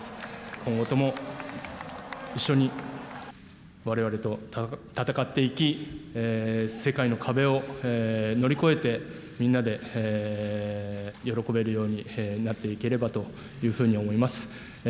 今後とも一緒にわれわれと戦っていき、世界の壁を乗り越えてみんなで喜べるようになっていければというふうに思います。